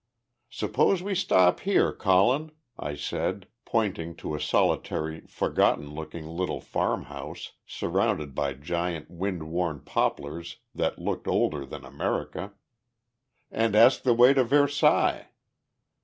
"Suppose we stop here, Colin," I said, pointing to a solitary, forgotten looking little farmhouse, surrounded by giant wind worn poplars that looked older than America, "and ask the way to Versailles?"